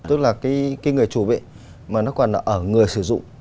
tức là cái người chủ bị mà nó còn ở người sử dụng